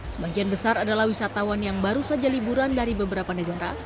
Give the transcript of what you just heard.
sebagian besar adalah wisatawan yang baru saja liburan dari beberapa negara